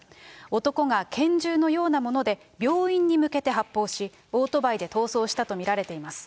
男が拳銃のようなもので病院に向けて発砲し、オートバイで逃走したと見られています。